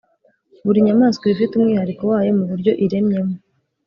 buri nyamaswa iba ifite umwihariko wayo muburyo iremyemo